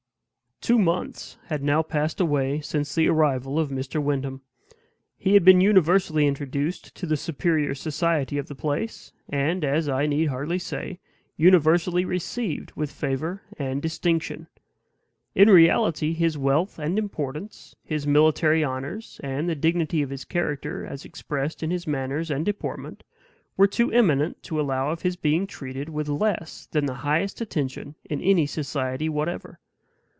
Two months had now passed away since the arrival of Mr. Wyndham. He had been universally introduced to the superior society of the place; and, as I need hardly say, universally received with favor and distinction. In reality, his wealth and importance, his military honors, and the dignity of his character, as expressed in his manners and deportment, were too eminent to allow of his being treated with less than the highest attention in any society whatever.